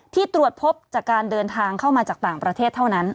ตรวจพบจากการเดินทางเข้ามาจากต่างประเทศเท่านั้น